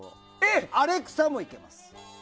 アレクサもいけます。